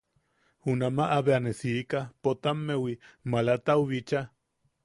Junamaʼa bea ne siika Potammewi malatau bicha.